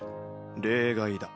例外だ。